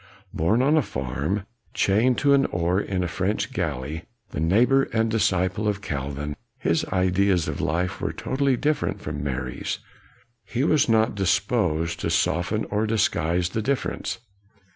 Born on a farm, chained to an oar in a French galley, the neighbor and disciple of Calvin, his ideas of life were totally different from Mary's. He was not disposed to soften or disguise the difference.